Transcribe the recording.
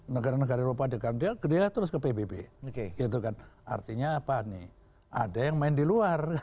negara negara eropa dengan dia terus ke pbb gitu kan artinya apa nih ada yang main di luar